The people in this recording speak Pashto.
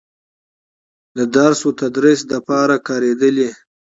د درس و تدريس دپاره کارېدلې